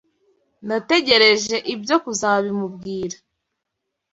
Nategereje ibyo kuzabimubwira.